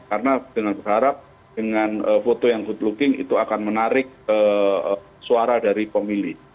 karena dengan berharap dengan foto yang good looking itu akan menarik suara dari pemilih